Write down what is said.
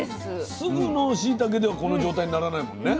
すぐのしいたけではこの状態にならないもんね。